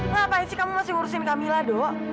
ngapain sih kamu masih ngurusin kamila do